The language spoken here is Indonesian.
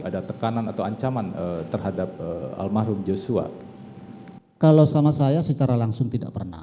ada tekanan atau ancaman terhadap almarhum joshua kalau sama saya secara langsung tidak pernah